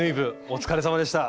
お疲れさまでした！